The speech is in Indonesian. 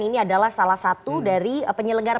ini adalah salah satu dari penyelenggara